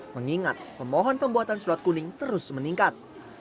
mengingat pemohon pembuatan surat kuning terus meningkat